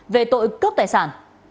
về tội cướp tài sản